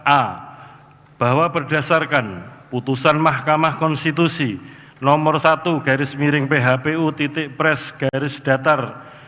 a bahwa berdasarkan putusan mahkamah konstitusi no satu phpu pres dua puluh dua r dua ribu dua puluh empat